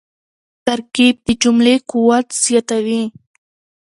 ترکیب د جملې قوت زیاتوي.